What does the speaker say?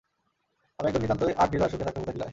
আমি একজন নিতান্তই আর্ট ডিলার সুখে থাকতে ভূতে কিলায়।